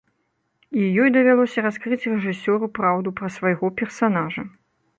І ёй давялося раскрыць рэжысёру праўду пра свайго персанажа.